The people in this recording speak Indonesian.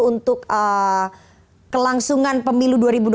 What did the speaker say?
untuk kelangsungan pemilu dua ribu dua puluh